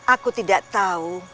aku tidak tahu